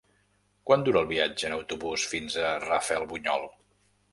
Quant dura el viatge en autobús fins a Rafelbunyol?